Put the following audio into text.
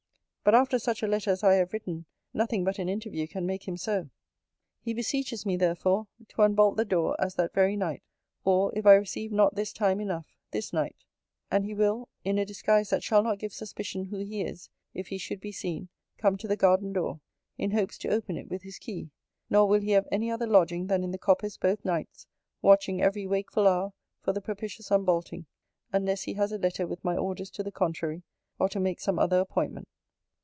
But, after such a letter as I have written, nothing but an interview can make him so.' He beseeches me therefore, 'To unbolt the door, as that very night; or, if I receive not this time enough, this night; and he will, in a disguise that shall not give suspicion who he is, if he should be seen, come to the garden door, in hopes to open it with his key; nor will he have any other lodging than in the coppice both nights; watching every wakeful hour for the propitious unbolting, unless he has a letter with my orders to the contrary, or to make some other appointment.'